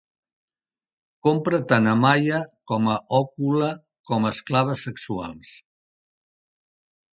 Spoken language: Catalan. Compra tant a Maia com a Occula com "esclaves sexuals".